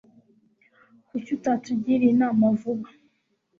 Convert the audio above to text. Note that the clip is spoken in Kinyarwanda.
Kuki utatugiriye inama vuba